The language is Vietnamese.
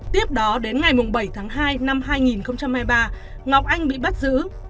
tiếp đó đến ngày bảy tháng hai năm hai nghìn hai mươi ba ngọc anh bị bắt giữ